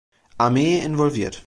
Armee involviert.